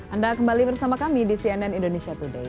anda kembali bersama kami di cnn indonesia today